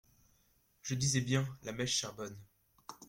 Je disais bien… la mèche charbonne.